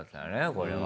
これは。